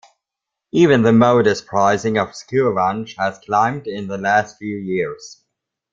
Even the modest pricing of school lunch has climbed in the last few years.